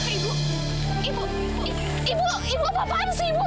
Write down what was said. ibu ibu ibu apaan sih ibu